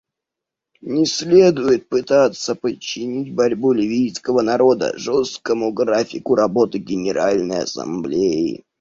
Не следует пытаться подчинить борьбу ливийского народа жесткому графику работы Генеральной Ассамблеи.